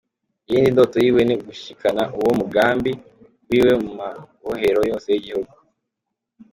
Iyindi ndoto yiwe ni ugushikana uwo mugambi wiwe mu mabohero yose y'igihugu.